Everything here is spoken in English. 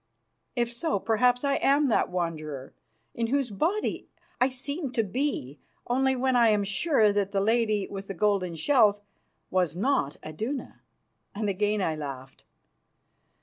If so, perhaps I am that Wanderer, in whose body I seemed to be, only then I am sure that the lady with the golden shells was not Iduna." And again I laughed.